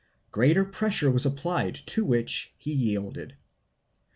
Greater pressure was applied to which he yielded.